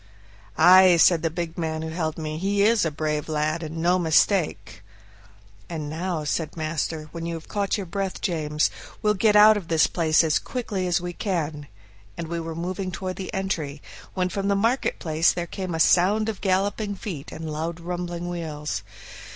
"Ay," said the big man who held me; "he is a brave lad, and no mistake." "And now," said master, "when you have got your breath, James, we'll get out of this place as quickly as we can," and we were moving toward the entry, when from the market place there came a sound of galloping feet and loud rumbling wheels.